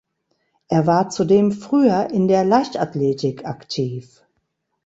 Er war zudem früher in der Leichtathletik aktiv.